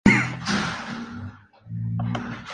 Caio Prado Júnior: Uma marca marxista